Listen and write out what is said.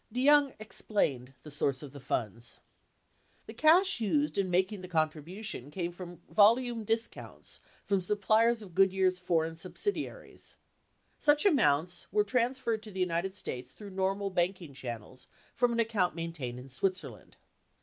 57 DeYoung explained the source of the funds : The cash used in making the contribution came from vol ume discounts from suppliers of Goodyear's foreign subsidi aries. Such amounts were transferred to the United States through normal banking channels from an account main tained in Switzerland.